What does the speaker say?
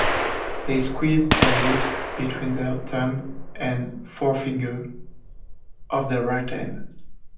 They squeezed their lips between their thumb and forefinger of their right hand.